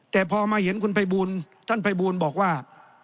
แต่พอมาเห็นคุณภัยบูลท่านภัยบูลบอกว่า